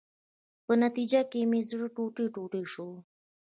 په نتیجه کې مې زړه ټوټې ټوټې شو.